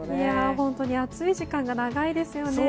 本当に暑い時間が長いですよね。